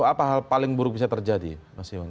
apa hal paling buruk bisa terjadi mas iwan